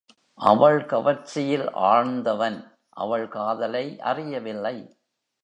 அவள் கவர்ச்சியில் ஆழ்ந்தவன் அவள் காதலை அறியவில்லை.